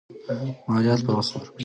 مالیات په وخت ورکړئ.